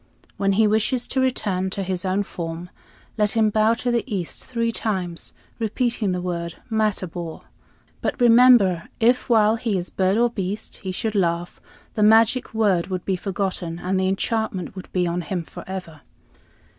When he wishes to return to his own form, let him bow to the east three times, repeating the word 'Matabor.' But remember if, while he is bird or beast, he should laugh, the magic word would be forgotten, and the enchantment would be on him forever."